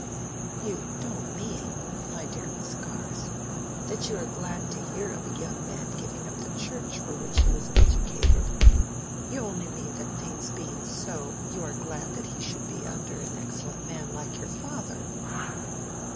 "You don't mean, my dear Miss Garth, that you are glad to hear of a young man giving up the Church for which he was educated: you only mean that things being so, you are glad that he should be under an excellent man like your father."